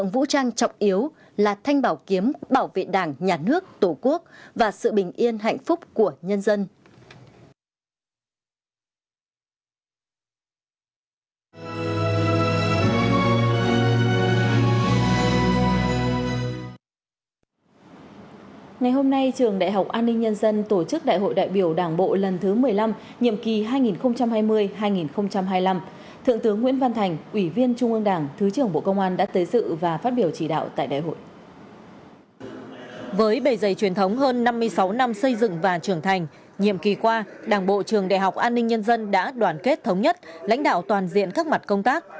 với bề dày truyền thống hơn năm mươi sáu năm xây dựng và trưởng thành nhiệm kỳ qua đảng bộ trường đại học an ninh nhân dân đã đoàn kết thống nhất lãnh đạo toàn diện các mặt công tác